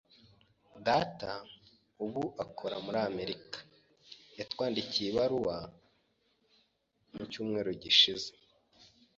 Data, ubu ukora muri Amerika, yatwandikiye ibaruwa mu cyumweru gishize.